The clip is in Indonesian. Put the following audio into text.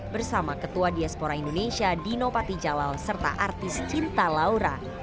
bersama ketua diaspora indonesia dino patijalal serta artis cinta laura